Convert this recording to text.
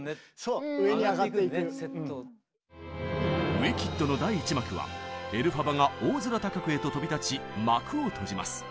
「ウィキッド」の第１幕はエルファバが大空高くへと飛び立ち幕を閉じます。